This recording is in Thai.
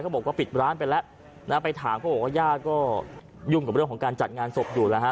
บอกว่าปิดร้านไปแล้วนะไปถามเขาบอกว่าญาติก็ยุ่งกับเรื่องของการจัดงานศพอยู่แล้วฮะ